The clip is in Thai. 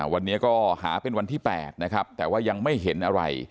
วันนี้ก็หาเป็นวันที่๘นะครับแต่ว่ายังไม่เห็นอะไร